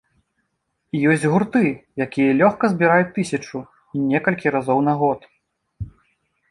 І ёсць гурты, якія лёгка збіраюць тысячу, і некалькі разоў на год.